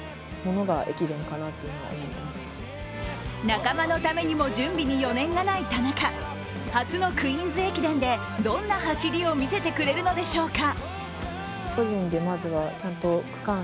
仲間のためにも準備に余念がない田中、初のクイーンズ駅伝でどんな走りを見せてくれるのでしょうか。